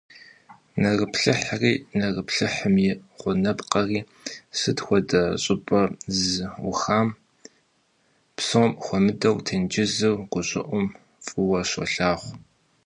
Нэрыплъыхьри, нэрыплъыхьым и гъунапкъэри сыт хуэдэ щӀыпӀэ ззӀухами, псом хуэмыдэу тенджыз гущӀыӀум, фӀыуэ щолъагъу.